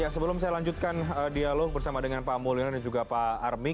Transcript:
sebelum saya lanjutkan dialog bersama dengan pak mulyono dan juga pak armi